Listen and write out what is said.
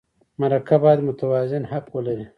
مرکه باید متوازن حق ولري.